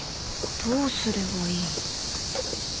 どうすればいい？